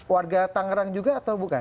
warga tangerang juga atau bukan